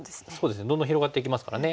どんどん広がっていきますからね。